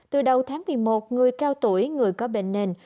từ đầu tháng một mươi một người cao tuổi người có bệnh nền